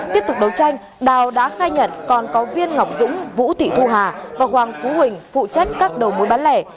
tiếp tục đấu tranh đào đã khai nhận còn có viên ngọc dũng vũ thị thu hà và hoàng phú huỳnh phụ trách các đầu mối bán lẻ